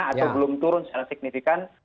atau belum turun secara signifikan